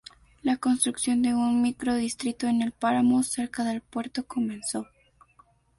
La construcción de un microdistrito en el páramo cerca del puerto comenzó.